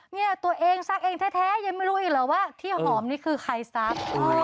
เนี่ยตัวเองซักเองแท้ยังไม่รู้อีกเหรอว่าที่หอมนี่คือใครซัก